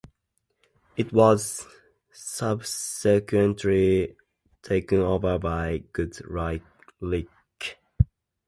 It was subsequently taken over by Goodricke.